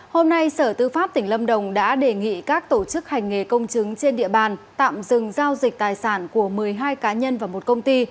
hôm nay sở tư pháp tỉnh lâm đồng đã đề nghị các tổ chức hành nghề công chứng trên địa bàn tạm dừng giao dịch tài sản của một mươi hai cá nhân và một công ty